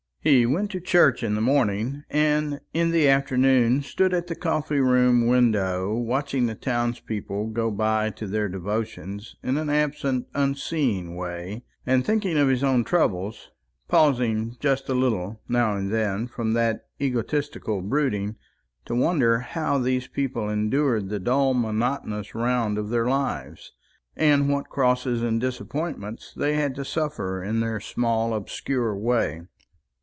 He went to church in the morning, and in the afternoon stood at the coffee room window watching the townspeople going by to their devotions in an absent unseeing way, and thinking of his own troubles; pausing, just a little, now and then, from that egotistical brooding to wonder how these people endured the dull monotonous round of their lives, and what crosses and disappointments they had to suffer in their small obscure way.